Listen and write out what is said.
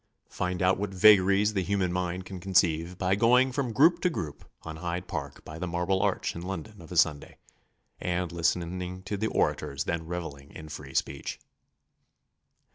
Find out what vagaries the human mind can conceive by going from group to group on Hyde Park by the Marble Arch in London of a Sunday, and listening to the orators then revelling in free speech.